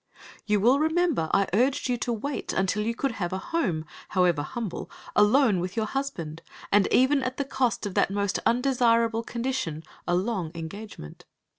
You will remember I urged you to wait until you could have a home, however humble, alone with your husband, and even at the cost of that most undesirable condition, a long engagement.